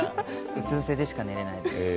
うつ伏せでしか寝られないんです。